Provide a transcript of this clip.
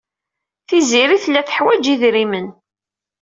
Tiziri tella teḥwaj idrimen.